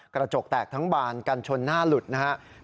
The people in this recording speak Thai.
กระจกแตกทั้งบานกันชนหน้าหลุดนะครับ